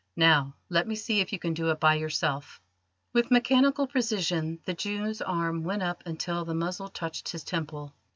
Now, let me see if you can do it by yourself." With mechanical precision the Jew's arm went up until the muzzle touched his temple.